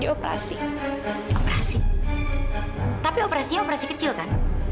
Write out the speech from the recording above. operasi tapi operasi operasi kecil kan